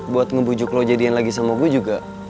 buat ngebujuk lo jadiin lagi sama gue juga